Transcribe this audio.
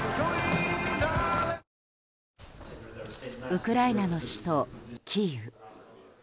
ウクライナの首都キーウ。